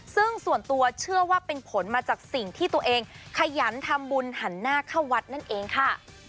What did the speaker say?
ซึ่งส่วนตัวเชื่อว่าเป็นผลมาจากสิ่งที่ตัวเองขยันทำบุญหันหน้าเข้าวัดนั่นเองค่ะ